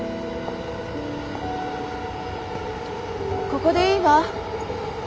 ここでいいわ。